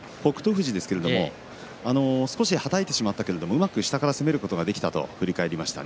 富士ですけれども少しはたいてしまったけどうまく下から攻めることができたと振り返りました。